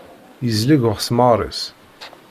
Yezleg uɣesmar-is.